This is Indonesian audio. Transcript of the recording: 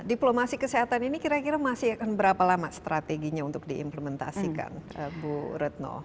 diplomasi kesehatan ini kira kira masih akan berapa lama strateginya untuk diimplementasikan bu retno